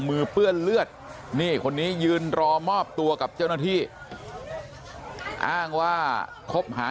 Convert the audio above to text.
เปื้อนเลือดนี่คนนี้ยืนรอมอบตัวกับเจ้าหน้าที่อ้างว่าคบหา